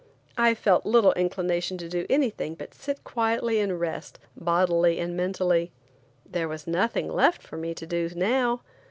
I felt little inclination to do anything but to sit quietly and rest, bodily and mentally. There was nothing left for me to do now.